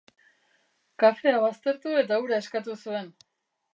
Kafea baztertu eta ura eskatu zuen.